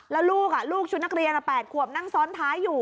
แล้วลูกชุดนักเรียน๘ขวบนั่งซ้อนท้ายอยู่